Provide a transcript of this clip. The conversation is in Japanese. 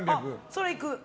それいく。